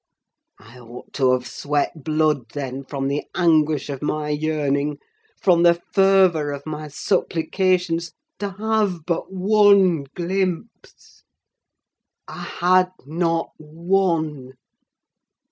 I ought to have sweat blood then, from the anguish of my yearning—from the fervour of my supplications to have but one glimpse! I had not one.